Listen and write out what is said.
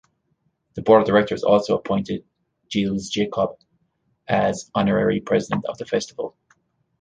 The board of directors also appointed Gilles Jacob as Honorary President of the Festival.